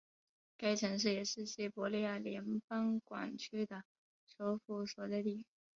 该城市也是西伯利亚联邦管区的首府所在地。